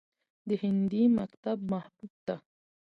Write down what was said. د هندي مکتب محبوب ته